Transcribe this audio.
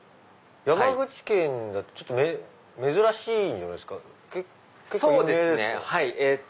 山口県だと珍しいんじゃないですか。